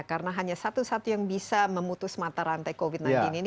karena hanya satu satu yang bisa memutus mata rantai covid sembilan belas ini